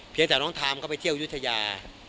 เพียงแต่น้องทามเขาไปเที่ยวอุทิวะยา